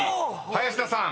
林田さん］